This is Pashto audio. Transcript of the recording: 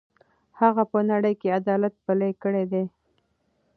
هغه په نړۍ کې عدالت پلی کړی دی.